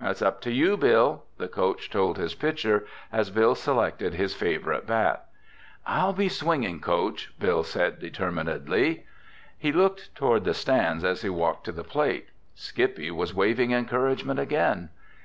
"It's all up to you, Bill," the coach told his pitcher as Bill selected his favorite bat. "I'll be swinging, coach," Bill said determinedly. He looked toward the stands as he walked to the plate. Skippy was waving encouragement again.